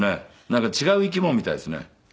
なんか違う生き物みたいですね。